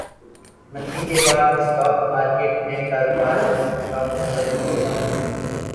مندی کے بعد اسٹاک مارکیٹ میں کاروبار کا مثبت اختتام